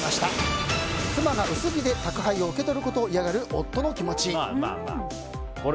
妻が薄着で宅配を受け取ることを嫌がる夫の気持ち。